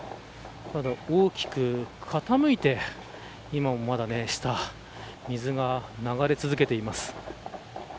大きく傾いて今もその下を水が流れ続けています。